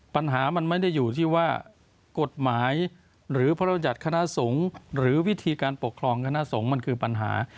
ปัญหามันไม่ได้อยู่ที่ว่ากฎหมายหรือพบคณะสงมันคือปัญหา